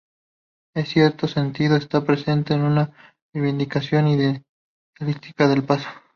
En cierto sentido, está presente una reivindicación indigenista del pasado.